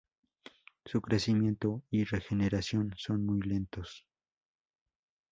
Su crecimiento y regeneración son muy lentos.